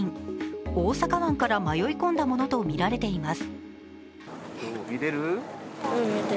大阪湾から迷い込んだものとみられています。